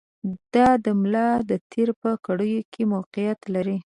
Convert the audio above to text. دا د ملا د تېر په کړیو کې موقعیت لري.